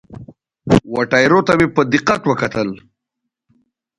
وه ټیرو ته مې په دقت وکتل.